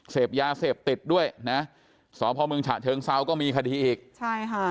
เสพยาเสพติดด้วยนะสพเมืองฉะเชิงเซาก็มีคดีอีกใช่ค่ะ